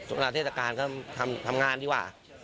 เทราเทศกาลก็ทำงานดีกว่า